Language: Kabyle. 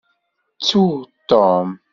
Ttu Tom.